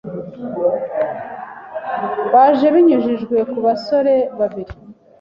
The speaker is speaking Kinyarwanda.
baje binyujijwe ku basore babiri